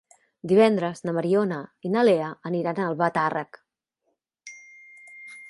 Divendres na Mariona i na Lea aniran a Albatàrrec.